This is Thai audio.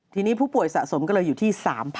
ทีนี้ผู้ป่วยสะสมก็เลยอยู่ที่๓๐๐๐